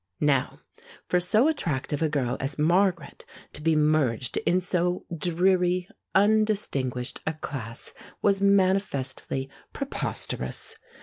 Now for so attractive a girl as Margaret to be merged in so dreary, undistinguished a class was manifestly preposterous.